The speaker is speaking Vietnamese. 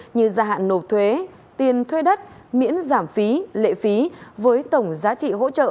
như gia hạn nộp thuế tiền thuê đất miễn giảm phí lệ phí với tổng giá trị hỗ trợ